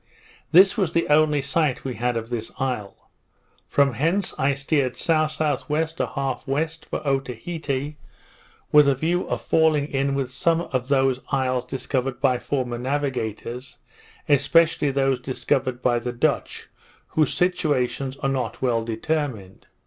This was the only sight we had of this isle. From hence I steered S.S.W. 1/2 W. for Otaheite, with a view of falling in with some of those isles discovered by former navigators, especially those discovered by the Dutch, whose situations are not well determined.